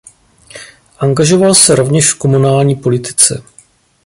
Angažoval se rovněž v komunální politice.